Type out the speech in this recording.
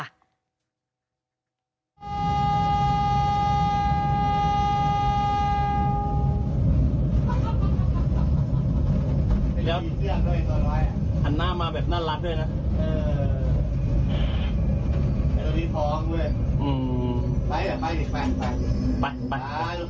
ดีเที่ยงด้วยตัวไลค์หันหน้ามาแบบน่ารักด้วยนะเออ